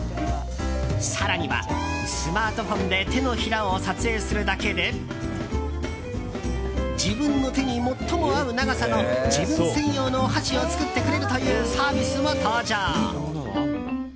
更にはスマートフォンで手のひらを撮影するだけで自分の手に最も合う長さの自分専用のお箸を作ってくれるというサービスも登場。